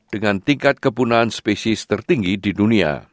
dengan tingkat kepunahan spesies tertinggi di dunia